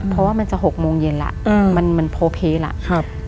เพราะว่ามันจะหกโมงเย็นล่ะอืมมันมันโพเพลล่ะครับ